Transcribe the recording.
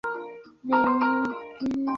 ni Daktari Chinuno Magoti daktari wa binadamu